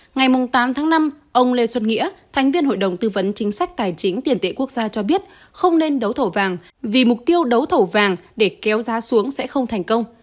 ngày tám tháng năm ông lê xuân nghĩa thành viên hội đồng tư vấn chính sách tài chính tiền tệ quốc gia cho biết không nên đấu thầu vàng vì mục tiêu đấu thầu vàng để kéo giá xuống sẽ không thành công